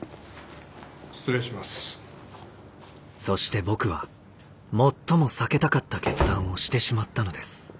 そして僕は最も避けたかった決断をしてしまったのです。